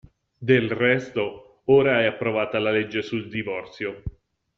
Del resto ora è approvata la legge sul divorzio.